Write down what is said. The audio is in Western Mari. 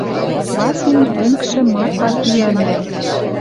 Васлим тӹнгшӹм Марфа тӱӓн мон...